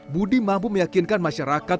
budi mampu meyakinkan masyarakat